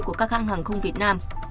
của các hãng hàng không việt nam